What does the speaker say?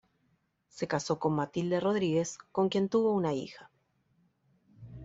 Se casó con Matilde Rodríguez con quien tuvo una hija.